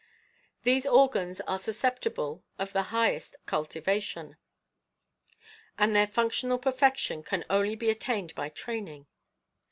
These organs are susceptible of the highest cultivation, and their functional perfection can only be attained by training.